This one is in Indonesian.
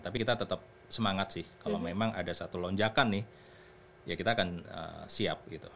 tapi kita tetap semangat sih kalau memang ada satu lonjakan nih ya kita akan siap gitu